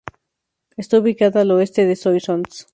Está ubicada al oeste de Soissons.